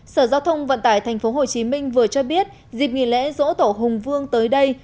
sở giao thông vận tải tp hcm vừa cho biết dịp nghỉ lễ dỗ tổ hùng vương tới đây